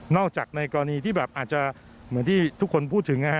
อกจากในกรณีที่แบบอาจจะเหมือนที่ทุกคนพูดถึง